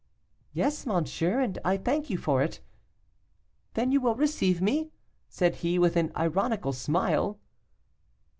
'Yes, monsieur, and I thank you for it.' 'Then you will receive me?' said he, with an ironical smile.